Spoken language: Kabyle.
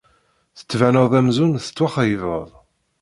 Tettbaned-d amzun yettwaxeyybed.